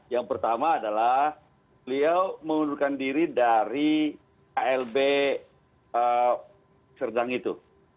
yang pertama adalah beliau mengundurkan diri dari klb serdang itu